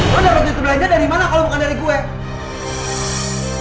lo udah ngerti itu belainnya dari mana kalau bukan dari gue